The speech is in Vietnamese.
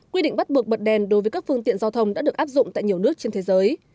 quy định bắt buộc bật đèn đối với các phương tiện giao thông đã được áp dụng tại nhiều nước trên thế giới